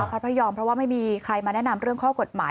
พระพยอมเพราะว่าไม่มีใครมาแนะนำเรื่องข้อกฎหมาย